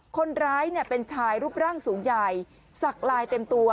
คนร้ายเป็นชายรูปร่างสูงใหญ่สักลายเต็มตัว